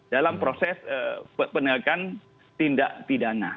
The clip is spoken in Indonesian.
dalam proses penegakan tindak pidana